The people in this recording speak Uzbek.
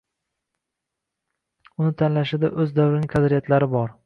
Uni tanlashida o‘z davrining qadriyatlari bor.